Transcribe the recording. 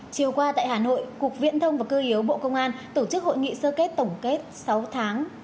chiều qua tại hà nội cục viễn thông và cơ yếu bộ công an tổ chức hội nghị sơ kết tổng kết sáu tháng